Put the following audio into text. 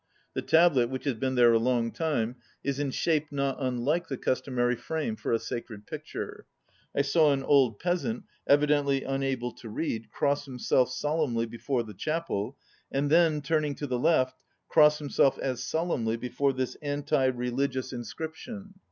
The tablet, which has been there a long time, is in shape not unlike the customary frame for a sacred picture. I saw an old peasant, evi dently unable to read, cross himself solemnly be fore the chapel, and then, turning to the left, cross himself as solemnly before this anti religious in 95 scription.